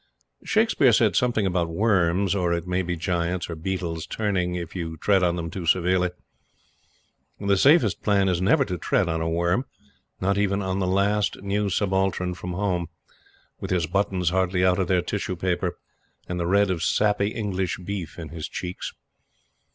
Shakespeare says something about worms, or it may be giants or beetles, turning if you tread on them too severely. The safest plan is never to tread on a worm not even on the last new subaltern from Home, with his buttons hardly out of their tissue paper, and the red of sappy English beef in his cheeks.